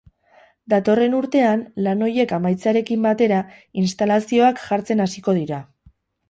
Datorren urtean, lan horiek amaitzearekin batera, instalazioak jartzen hasiko dira.